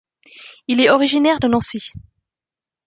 Il est originaire de Nancy.